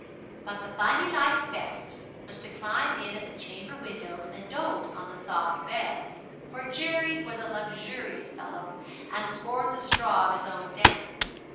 But the fun he liked best was to climb in at the chamber windows and doze on the soft beds; for Jerry was a luxurious fellow and scorned the straw of his own den.